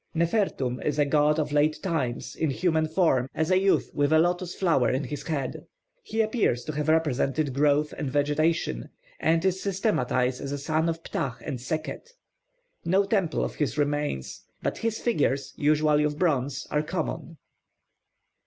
+Nefertum+ is a god of late times, in human form, as a youth with a lotus flower on his head. He appears to have represented growth and vegetation; and is systematised as a son of Ptah and Sekhet. No temple of his remains; but his figures, usually of bronze, are common.